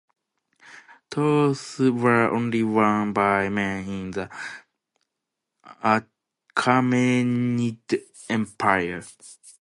Torcs were only worn by men in the Achaemenid Empire.